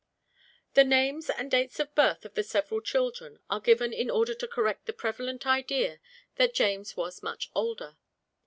The names and dates of birth of the several children are given in order to correct the prevalent idea that James was much older.